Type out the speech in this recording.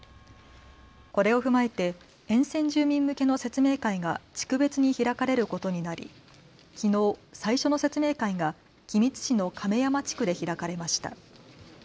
これを踏まえて沿線住民向けの説明会が地区別に開かれることになり、きのう最初の説明会が君津市の亀山地区で開かれました。